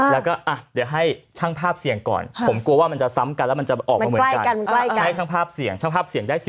แล้วก็เดี๋ยวให้ช่างภาพเสี่ยงก่อนผมกลัวว่ามันจะซ้ำกันแล้วมันจะออกมาเหมือนกัน